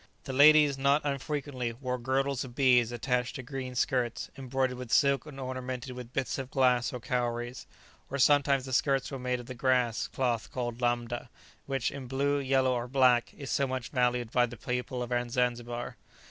The ladies not unfrequently wore girdles of beads attached to green skirts embroidered with silk and ornamented with bits of glass or cowries, or sometimes the skirts were made of the grass cloth called lambda, which, in blue, yellow, or black, is so much valued by the people of Zanzibar.